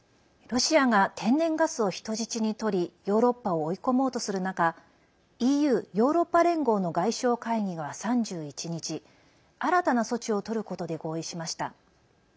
ロシアが天然ガスを人質にとりヨーロッパを追い込もうとする中ＥＵ＝ヨーロッパ連合の外相会議は３１日新たな措置をとることで合意しました。